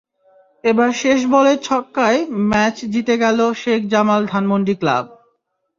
এবার শেষ বলের ছক্কায় ম্যাচ জিতে গেল শেখ জামাল ধানমন্ডি ক্লাব।